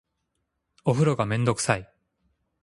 お風呂がめんどくさい